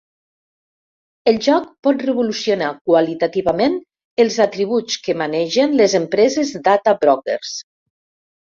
El joc pot revolucionar qualitativament els atributs que manegen les empreses Data Brokers.